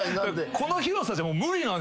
この広さじゃ無理なんすよね。